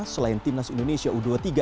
selain timnas indonesia u dua puluh tiga